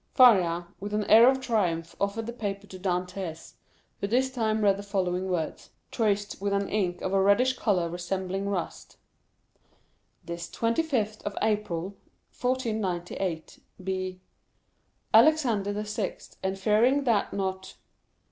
Faria, with an air of triumph, offered the paper to Dantès, who this time read the following words, traced with an ink of a reddish color resembling rust: "This 25th day of April, 1498, be... Alexander VI., and fearing that not...